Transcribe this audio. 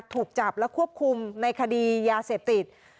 ถูกจับและควบคุมในคดียาเสพติด